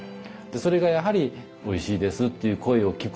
それがやはり「おいしいです」っていう声を聞くとですね